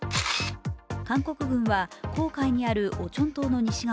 韓国軍は黄海にあるオチョン島の西側